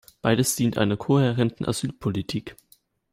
Beides dient einer kohärenten Asylpolitik.